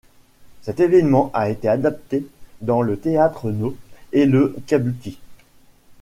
Cet événement a été adapté dans le théâtre nō et le kabuki.